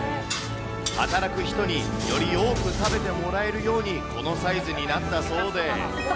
働く人により多く食べてもらえるようにこのサイズになったそうで。